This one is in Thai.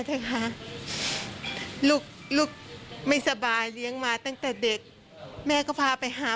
เถอะค่ะลูกลูกไม่สบายเลี้ยงมาตั้งแต่เด็กแม่ก็พาไปหา